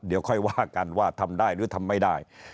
ไม่ว่าการว่าทำได้หรือทำไม่ได้